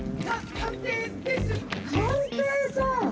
探偵さん。